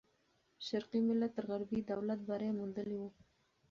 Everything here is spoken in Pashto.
شرقي ملت تر غربي دولت بری موندلی وو.